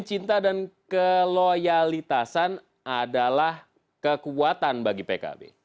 cinta dan keloyalitasan adalah kekuatan bagi pkb